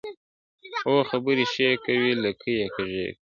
o خبري ښې کوي، لکۍ ئې کږې کوي٫